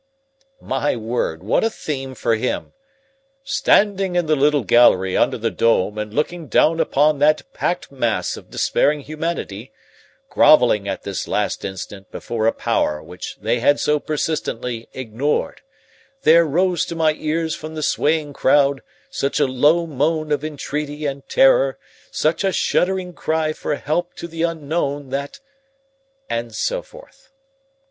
My word, what a theme for him! "Standing in the little gallery under the dome and looking down upon that packed mass of despairing humanity, groveling at this last instant before a Power which they had so persistently ignored, there rose to my ears from the swaying crowd such a low moan of entreaty and terror, such a shuddering cry for help to the Unknown, that " and so forth.